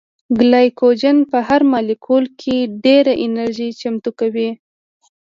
ګلایکوجن په هر مالیکول کې ډېره انرژي چمتو کوي